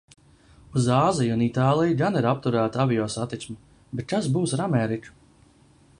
Uz Āziju un Itāliju gan ir apturēta aviosatiksme. Bet kas būs ar Ameriku?